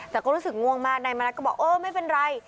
แต่ก็รู้สึกง่วงมากนายมณัฐก็บอกเออไม่เป็นไร